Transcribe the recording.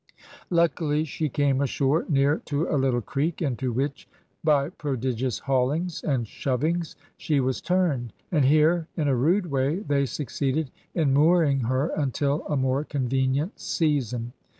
Luckily, she came ashore near to a little creek, into which, by prodigious haulings and shovings, she was turned; and here, in a rude way, they succeeded in mooring her until a more convenient season.